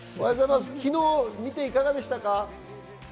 昨日、見ていかがでしたか？